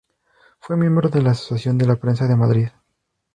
Fue miembro de la Asociación de la Prensa de Madrid.